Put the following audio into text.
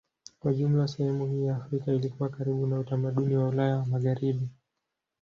Kwa jumla sehemu hii ya Afrika ilikuwa karibu na utamaduni wa Ulaya ya Magharibi.